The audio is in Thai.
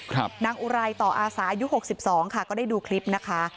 นางอุไรต่ออาสาอายุหกสิบสองค่ะก็ได้ดูคลิปนะคะ